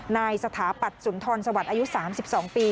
นายสถาปัตย์สุนทรสวัสดิ์อายุ๓๒ปี